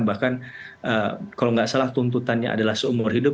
bahkan kalau nggak salah tuntutannya adalah seumur hidup